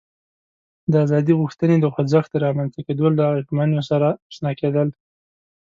د ازادي غوښتنې د خوځښت له رامنځته کېدو له ژمینو سره آشنا کېدل دي.